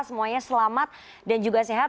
semuanya selamat dan juga sehat